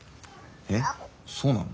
えっそうなの？